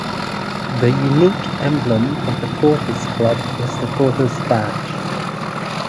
The unique emblem of the Tortoise Club is the tortoise badge.